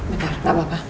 bener tak apa ma